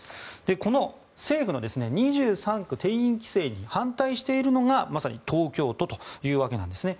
この政府の２３区定員規制に反対しているのがまさに東京都というわけなんですね。